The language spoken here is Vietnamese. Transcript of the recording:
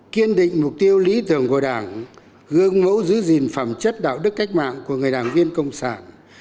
kiên định mục tiêu lý tưởng của đảng gương mẫu giữ gìn phẩm chất đạo đức cách mạng của người đảng viên công sản